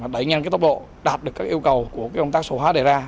đẩy nhanh tốc độ đạt được các yêu cầu của công tác số hóa đề ra